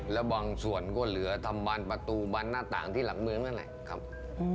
แล้วบางส่วนก็เหลือทำบานประตูบันหน้าต่างที่หลังเมืองนั่นแหละครับ